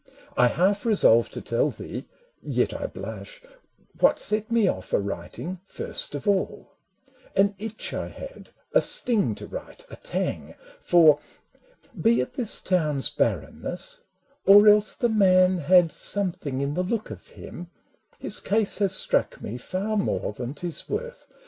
I half resolve to tell thee, yet I blush, What set me off a writing first of all. AN EPISTLE 189 An itch I had, a sting to write, a tang ! For, be it this town's barrenness — or else The Man had something in the look of him — His case has struck me far more than 't is worth.